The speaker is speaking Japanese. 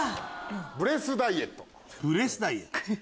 「ブレスダイエット」。